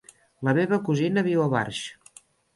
La meva cosina viu a Barx.